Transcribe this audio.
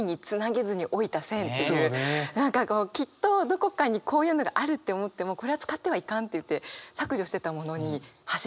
何かこうきっとどこかにこういうのがあるって思ってもこれは使ってはいかんっていって削除してたものに走っていく。